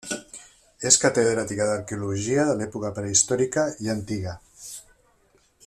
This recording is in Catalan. És catedràtica d'arqueologia de l'època prehistòrica i antiga.